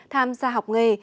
tham gia học nghề